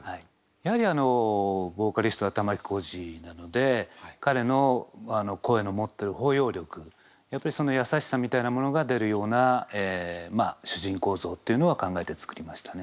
やはりあのボーカリストは玉置浩二なので彼の声の持ってる包容力やっぱりそのやさしさみたいなものが出るような主人公像というのは考えて作りましたね。